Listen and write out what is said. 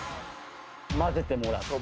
混ぜてもらって。